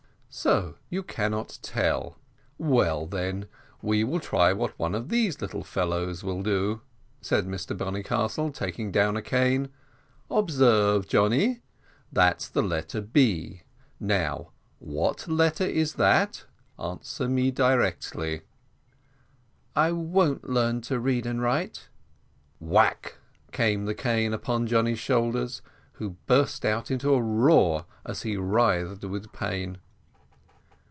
"So you cannot tell; well, then, we will try what one of these little fellows will do," said Mr Bonnycastle, taking down a cane. "Observe, Johnny, that's the letter B. Now, what letter is that? Answer me directly." "I won't learn to read and write." Whack came the cane on Johnny's shoulders, who burst out into a roar as he writhed with pain.